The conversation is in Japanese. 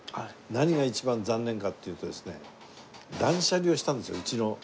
何が一番残念かっていうとですね断捨離をしたんですようちの。